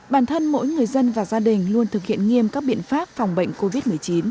bản thân mỗi người dân và gia đình luôn thực hiện nghiêm các biện pháp phòng bệnh covid một mươi chín